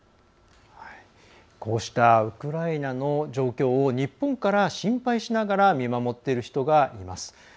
こうしたウクライナの状況を日本から心配しながら見守っている人がいます。